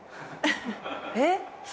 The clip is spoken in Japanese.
えっ？